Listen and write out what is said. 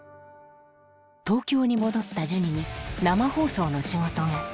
東京に戻ったジュニに生放送の仕事が。